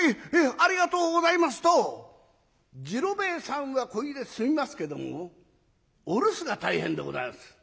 ありがとうございます」と次郎兵衛さんはこれで済みますけどもお留守が大変でございます。